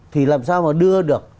thì làm sao mà đưa được